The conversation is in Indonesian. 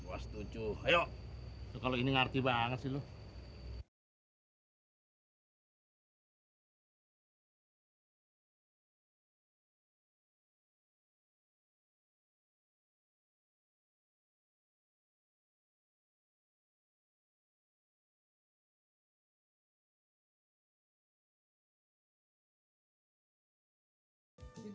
ayo kalau ini ngerti banget dulu